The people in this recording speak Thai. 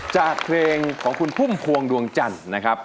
จากเพลงของคุณพุ่มพวงดวงจันทร์นะครับ